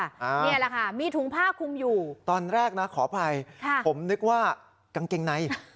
นี่แหละค่ะมีถุงผ้าคุมอยู่ตอนแรกนะขออภัยค่ะผมนึกว่ากางเกงใน